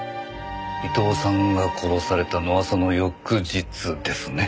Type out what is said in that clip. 伊藤さんが殺されたのはその翌日ですね。